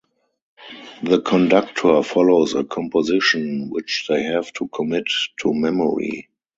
The conductor follows a "composition" which they have to commit to memory.